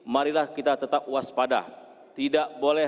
marilah kita tetap waspada